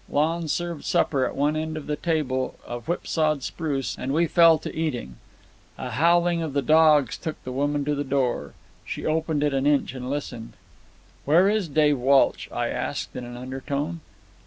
Lon served supper at one end of the table of whip sawed spruce, and we fell to eating. A howling of the dogs took the woman to the door. She opened it an inch and listened. "Where is Dave Walsh?" I asked, in an undertone.